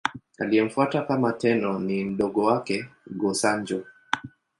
Aliyemfuata kama Tenno ni mdogo wake, Go-Sanjo.